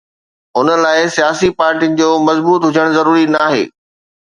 ان لاءِ سياسي پارٽين جو مضبوط هجڻ ضروري ناهي.